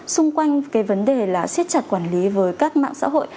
xung quanh cái vấn đề là siết chặt quản lý với các mạng xã hội